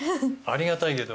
ありがたいけど。